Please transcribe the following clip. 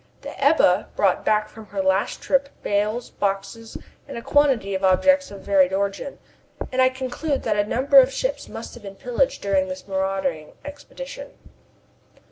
The Ebba brought back from her last trip bales, boxes, and a quantity of objects of varied origin, and I conclude that a number of ships must have been pillaged during this marauding expedition.